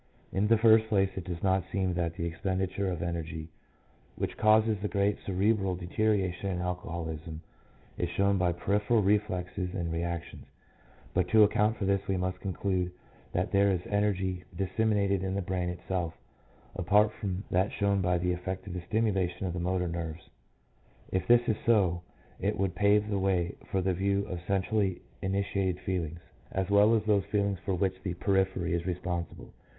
In the first place it does not seem that the expenditure of energy which causes the great cerebral deterioration in alcoholism is shown by peripheral reflexes and reactions, but to account for this we must conclude that there is energy disseminated in the brain itself apart from that shown by the effect of the stimulation of the motor nerves. If this is so it would pave the way for the view of centrally initiated feelings, as well as those feelings for which the periphery is responsible.